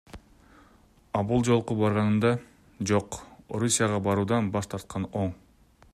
А бул жолку барганымда, жок, Орусияга баруудан баш тарткан оң.